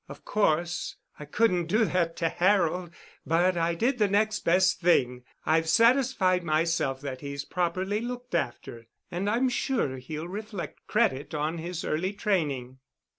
Of course, I couldn't do that to Harold, but I did the next best thing. I've satisfied myself that he's properly looked after—and I'm sure he'll reflect credit on his early training."